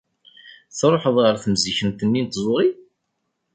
Truḥeḍ ɣer temzikent-nni n tẓuri?